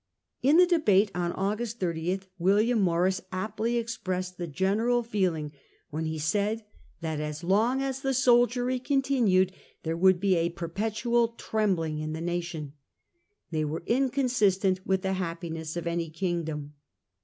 In the debate on August 30 William Morrice aptly ex pressed the general feeling when he said that as long as the soldiery continued there would be a perpetual trembling in the nation ; they were inconsistent with the happiness of any kingdom.